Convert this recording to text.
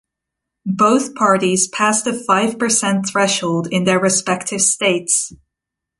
Both parties passed the five-percent threshold in their respective states.